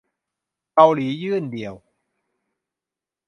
เกาหลี ยื่น "เดี่ยว"